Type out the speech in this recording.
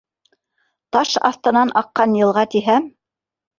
Таш аҫтынан аҡҡан йылға тиһәм